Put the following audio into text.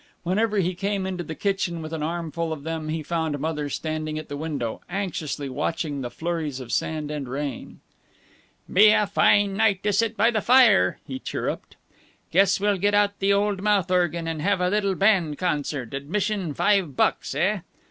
Whenever he came into the kitchen with an armful of them he found Mother standing at the window, anxiously watching the flurries of sand and rain. "Be a fine night to sit by the fire," he chirruped. "Guess we'll get out the old mouth organ and have a little band concert, admission five bucks, eh?"